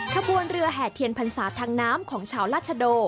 ขบวนเรือแห่เทียนพรรษาทางน้ำของชาวราชโด